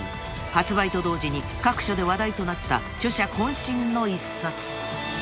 ［発売と同時に各所で話題となった筆者渾身の一冊］